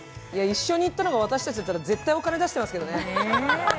一緒に行ったのが私たちだったら、絶対お金出してますけどね。